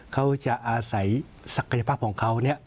เขาจะอาศัยศักยภาพของเขา